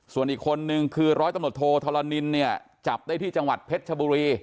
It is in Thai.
ส่วนอีกคนนึงคือร้อยตำรวจโทธรณินเนี่ยจับได้ที่จังหวัดเพชรชบุรี